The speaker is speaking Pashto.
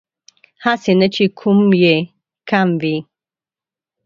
هسې نه چې کوم يې کم وي